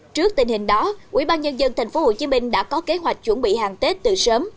trước tình hình đó ubnd tp hcm đã có kế hoạch chuẩn bị hàng tết từ sớm